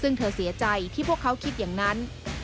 ซึ่งเธอเสียใจที่พวกเขาคิดอย่างนั้น